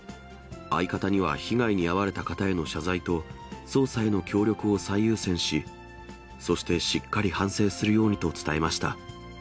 相方には被害に遭われた方への謝罪と、捜査への協力を最優先し、そしてしっかり反省するようにと伝えました。